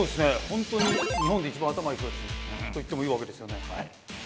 本当に日本で一番頭いい人たちと言ってもいいわけですよね。